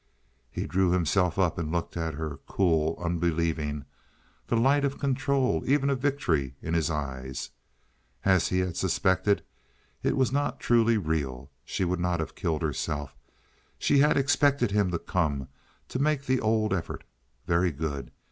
He drew himself up and looked at her—cool, unbelieving, the light of control, even of victory, in his eyes. As he had suspected, it was not truly real. She would not have killed herself. She had expected him to come—to make the old effort. Very good.